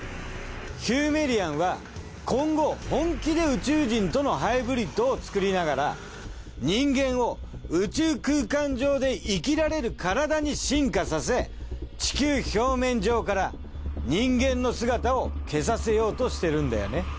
ヒューメイリアンは今後本気で宇宙人とのハイブリッドを作りながら人間を宇宙空間上で生きられる体に進化させ地球表面上から人間の姿を消させようとしてるんだよね。